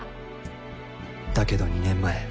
だけど２年前。